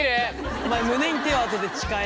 お前胸に手を当てて誓え。